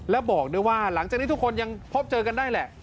แล้วบอกด้วยว่าหลังจากนี้ทุกคนยังพบเจอกันได้แหละ